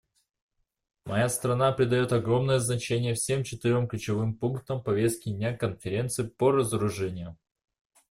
Моя страна придает огромное значение всем четырем ключевым пунктам повестки дня Конференции по разоружению.